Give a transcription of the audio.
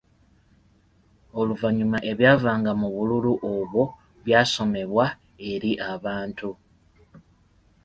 Oluvannyuma ebyavanga mu bululu obwo byasomebwa eri abantu.